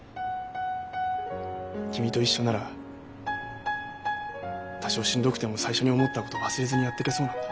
君と一緒なら多少しんどくても最初に思ったこと忘れずにやっていけそうなんだ。